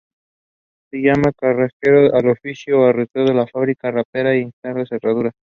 Se llama cerrajero al oficio o artesano que fabrica, repara o instala cerraduras.